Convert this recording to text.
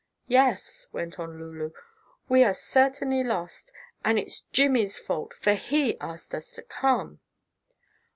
"Yes," went on Lulu, "we are certainly lost, and it's Jimmie's fault, for he asked us to come."